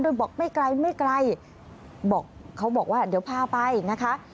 โดยบอกไม่ไกลไม่ไกลบอกเขาบอกว่าเดี๋ยวพาไปนะคะ